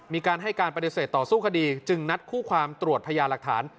มีการให้การปฏิเสธต่อสู้คดีจึงนัดคู่ความตรวจพยาหลักฐาน